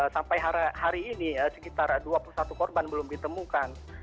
sampai hari ini sekitar dua puluh satu korban belum ditemukan